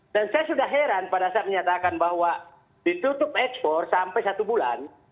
dan saya sudah heran pada saat menyatakan bahwa ditutup ekspor sampai satu bulan